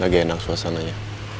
lagi enak suasananya